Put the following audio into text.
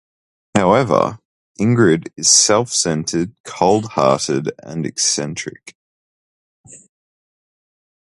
However, Ingrid is self-centered, cold-hearted, and eccentric.